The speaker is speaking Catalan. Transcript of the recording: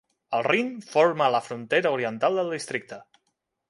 El Rin forma la frontera oriental del districte.